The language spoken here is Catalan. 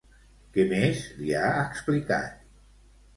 Què més li ha explicat?